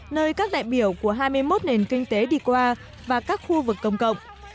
nơi các đại biểu của hai mươi một nền kinh tế đi qua và các khu vực công cộng